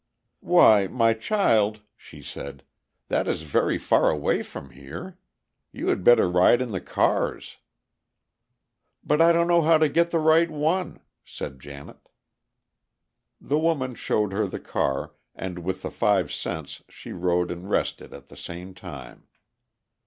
"Why, my child," she said, "that is very far away from here. You had better ride in the cars." "But I don't know how to get the right one," said Janet. The woman showed her the car, and with the five cents she rode and rested at the same time.